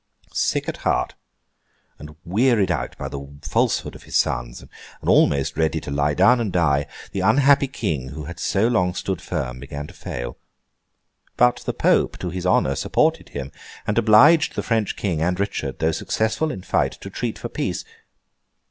Sick at heart, wearied out by the falsehood of his sons, and almost ready to lie down and die, the unhappy King who had so long stood firm, began to fail. But the Pope, to his honour, supported him; and obliged the French King and Richard, though successful in fight, to treat for peace.